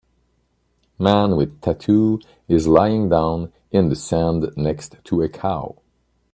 Man with tattoo is lying down in the sand next to a cow.